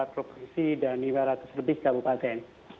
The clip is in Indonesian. tiga puluh empat provinsi dan lima ratus lebih kabupaten